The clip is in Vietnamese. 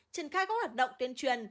triển khai các hoạt động tuyên truyền